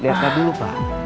lihat tadi dulu pak